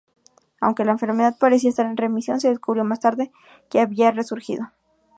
Aunque la enfermedad parecía estar en remisión, se descubrió más tarde que había resurgido.